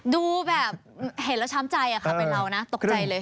ดูแบบเห็นแล้วช้ำใจค่ะเป็นเรานะตกใจเลย